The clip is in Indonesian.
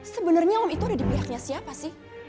sebenarnya om itu ada di pihaknya siapa sih